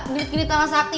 gede gede tangan sakti